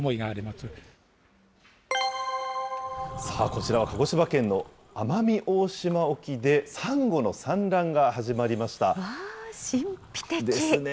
こちらは鹿児島県の奄美大島沖でサンゴの産卵が始まりました。ですね。